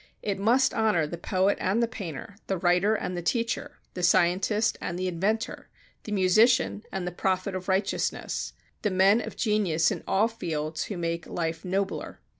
It must honor the poet and painter, the writer and the teacher, the scientist and the inventor, the musician and the prophet of righteousness the men of genius in all fields who make life nobler.